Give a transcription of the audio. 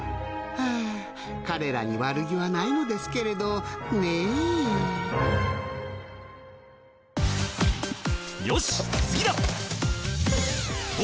はぁ彼らに悪気はないのですけれどねぇよし次だ！